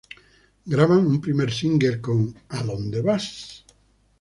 Graban un primer single con "¿A Dónde Vas?